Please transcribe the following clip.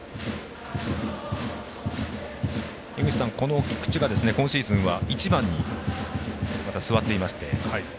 井口さん、菊池が今シーズン１番に、また座っていまして。